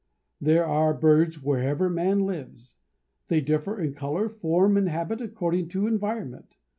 There are birds wherever man lives. They differ in color, form, and habit according to environment.